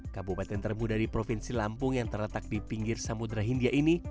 kabupaten termuda di provinsi lampung yang terletak di pinggir samudera hindia ini